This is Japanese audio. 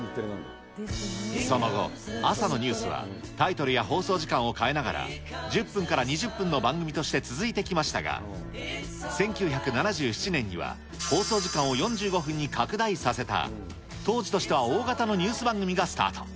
その後、朝のニュースはタイトルや放送時間を変えながら１０分から２０分の番組として続いてきましたが、１９７７年には放送時間を４５分に拡大させた当時としては大型のニュース番組がスタート。